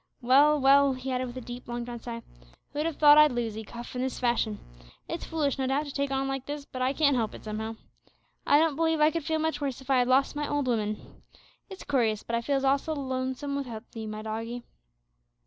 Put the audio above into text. Well, well," he added, with a deep long drawn sigh, "who'd have thought I'd lose 'ee, Cuff, in this fashion. It's foolish, no doubt, to take on like this, but I can't help it somehow. I don't believe I could feel much worse if I had lost my old 'ooman. It's kurious, but I feels awful lonesome without 'ee, my doggie."